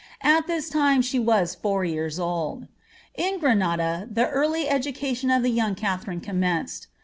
At this time she was four years old. In Granada the early education of the young Katha rine commenced.